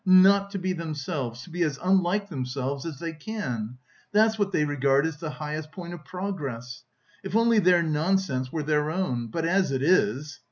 Not to be themselves, to be as unlike themselves as they can. That's what they regard as the highest point of progress. If only their nonsense were their own, but as it is..."